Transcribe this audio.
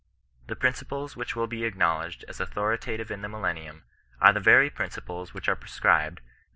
The principles which will be acknowledged as authoritative in the millennium, are the very principles which are prescribed, wid.